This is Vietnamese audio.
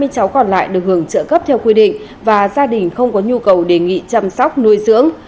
hai mươi cháu còn lại được hưởng trợ cấp theo quy định và gia đình không có nhu cầu đề nghị chăm sóc nuôi dưỡng